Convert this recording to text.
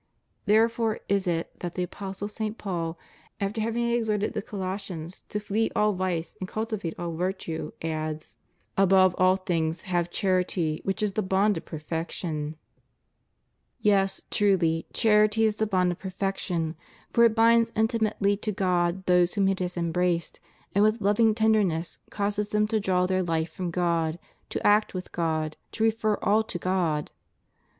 Therefore is it that the Apostle St. Paul, after having exhorted the Colossians to flee all vice and cultivate all virtue, adds: Above all things * Prov. xiv. 34. ' Isa. v. 20. CHIEF DUTIES OF CHRISTIANS AS CITIZENS. 205 have chanty, which is the bond of perfection} Yea, truly, charity is the bond of perfection, for it binds intimately to God those whom it has embraced and with loving tender ness, causes them to draw their life from God, to act with God, to refer all to God.